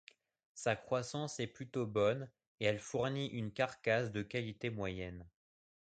Sa croissance est plutôt bonne et elle fournit une carcasse de qualité moyenne.